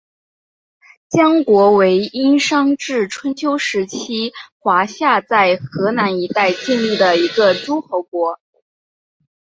江国为殷商至春秋时期华夏在河南一带建立的一个诸侯国。